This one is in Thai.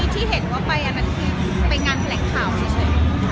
ที่เห็นว่าไปอันนั้นอีกไปรอยงานแผลงข่าวนี่แหละ